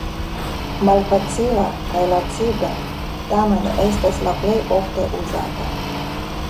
Malfacila kaj laciga, tamen estas la plej ofte uzata.